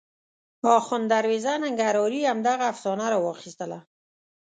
اخوند دروېزه ننګرهاري همدغه افسانه راواخیستله.